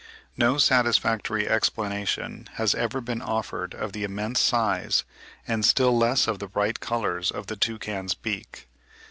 (51. No satisfactory explanation has ever been offered of the immense size, and still less of the bright colours, of the toucan's beak.